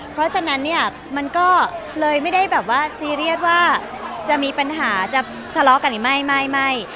เพราะฉะนั้นเนี่ยมันก็เลยไม่ได้แบบว่าซีเรียสว่าจะมีปัญหาจะทะเลาะกันหรือไม่ไม่